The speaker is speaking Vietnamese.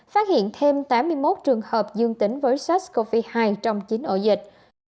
phát hiện thêm tám mươi một trường hợp dương tính với sars cov hai trong chín ổ dịch